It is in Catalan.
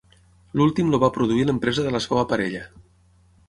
L'últim el va produir l'empresa de la seva parella.